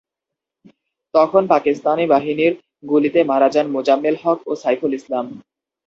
তখন পাকিস্তানি বাহিনীর গুলিতে মারা যান মোজাম্মেল হক ও সাইফুল ইসলাম।